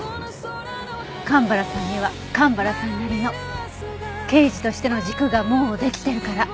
蒲原さんには蒲原さんなりの刑事としての軸がもう出来てるから。